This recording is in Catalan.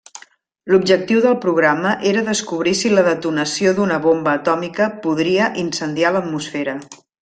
L'objectiu del programa era descobrir si la detonació d'una bomba atòmica podria incendiar l'atmosfera.